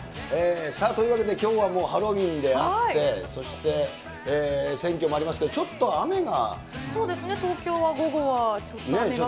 さあ、というわけで、きょうはもう、ハロウィーンであって、そして、選挙もありますけど、ちょっと雨が。